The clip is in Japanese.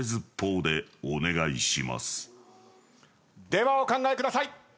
ではお考えください。